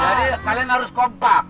jadi kalian harus kompak